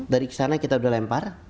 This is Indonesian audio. dari sana kita sudah lempar